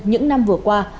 những năm vừa qua